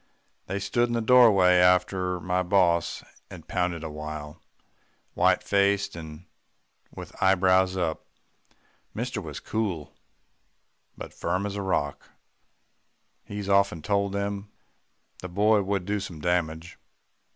They stood in the doorway after my boss had pounded a while white faced, and with eyebrows up. "Mister was cool but firm as a rock he's often told them the boy would do some damage.